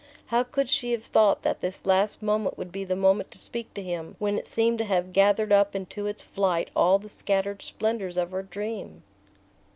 How could she have thought that this last moment would be the moment to speak to him, when it seemed to have gathered up into its flight all the scattered splendours of her dream?